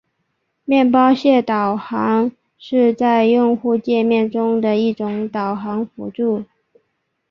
面包屑导航是在用户界面中的一种导航辅助。